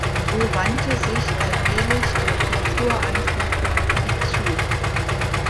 So wandte sich allmählich der Kulturanthropologie zu.